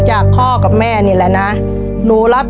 ชีวิตหนูเกิดมาเนี่ยอยู่กับดิน